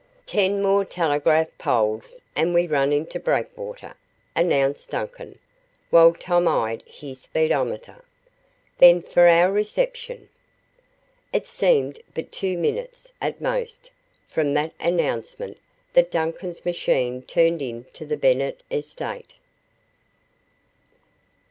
"Ten more telegraph poles and we run into Breakwater," announced Duncan, while Tom eyed his speedometer. "Then for our reception!" It seemed but two minutes, at most, from that announcement that Duncan's machine turned into the Bennet estate.